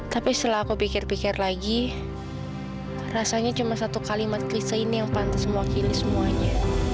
tapi setelah aku pikir pikir lagi rasanya cuma satu kalimat krisis ini yang pantas mewakili semuanya